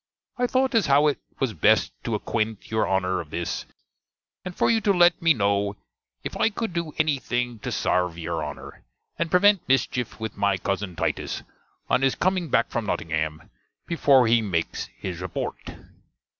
I thote as how it was best to acquent you Honner of this; and for you to let me kno' if I could do any think to sarve your Honner, and prevent mischief with my cuzzen Titus, on his coming back from Nottingam, before he mackes his reporte.